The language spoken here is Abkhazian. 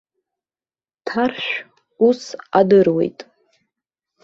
Ҭаршә ус адыруеит!